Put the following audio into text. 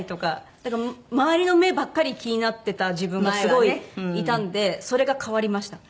だから周りの目ばっかり気になってた自分がすごいいたんでそれが変わりました。